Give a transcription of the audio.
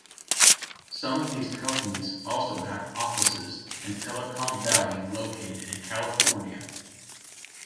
Some of these companies also have offices in Telecom Valley located in California.